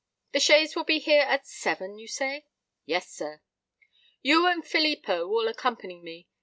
"The chaise will be here at seven, you say?" "Yes, sir." "You and Filippo will accompany me.